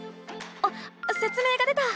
あっせつ明が出た！